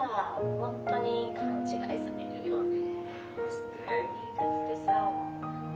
本当に勘違いされるよね。